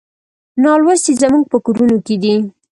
نالوستي زموږ په کورونو کې دي.